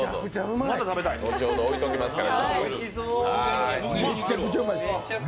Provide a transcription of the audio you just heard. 後ほど置いときますから。